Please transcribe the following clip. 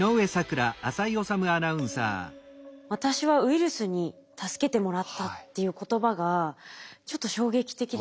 「私はウイルスに助けてもらった」っていう言葉がちょっと衝撃的でしたね。